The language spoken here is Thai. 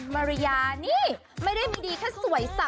ไม่เชื่อไปฟังกันหน่อยค่ะ